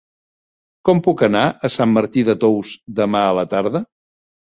Com puc anar a Sant Martí de Tous demà a la tarda?